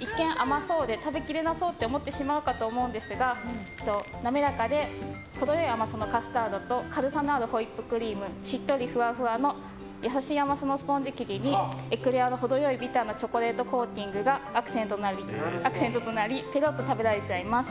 一見甘そうで食べきれなさそうと感じる方もいるかもしれませんがなめらかで程良い甘さのカスタードとホイップしっとりふわふわの優しい甘さのスポンジ生地にエクレアのほど良いビターなチョココーティングがアクセントとなりペロッと食べられちゃいます。